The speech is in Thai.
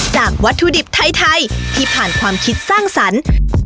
วัตถุดิบไทยที่ผ่านความคิดสร้างสรรค์